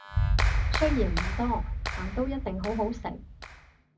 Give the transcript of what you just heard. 雖然唔多，但都一定好好食